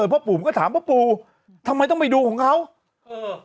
พ่อปู่มันก็ถามพ่อปู่ทำไมต้องไปดูของเขาเออ